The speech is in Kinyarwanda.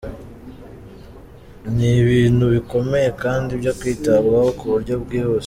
Ni ibintu bikomeye kandi byo kwitabwaho ku buryo bwihuse.